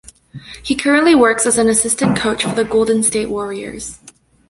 He currently works as an assistant coach for the Golden State Warriors.